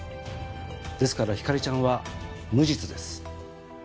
ですからひかりちゃんは無実です。